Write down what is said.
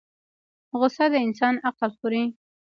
غصه د انسان عقل خوري